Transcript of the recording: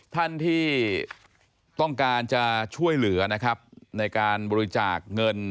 ท่านที่ต้องการจะช่วยเหลือนะครับในการบริจาคเงิน